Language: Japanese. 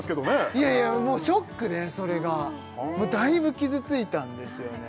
いやいやもうショックでそれがだいぶ傷ついたんですよね